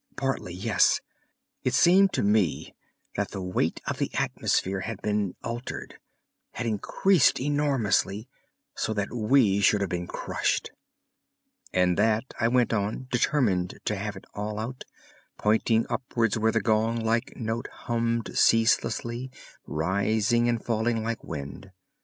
"Partly, yes. It seemed to me that the weight of the atmosphere had been altered—had increased enormously, so that we should have been crushed." "And that," I went on, determined to have it all out, pointing upwards where the gong like note hummed ceaselessly, rising and falling like wind.